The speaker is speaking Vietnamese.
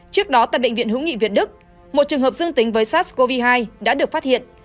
trước đó tại bệnh viện hữu nghị việt đức một trường hợp dương tính với sars cov hai đã được phát hiện